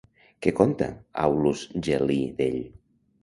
Què conta Aulus Gel·lí d'ell?